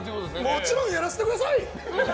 もちろんやらせてください！